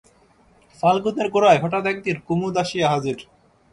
ফাল্গুনের গোড়ায় হঠাৎ একদিন কুমুদ আসিয়া হাজির।